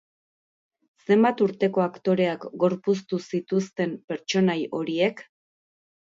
Zenbat urteko aktoreak gorpuztu zituzten pertsonai horiek?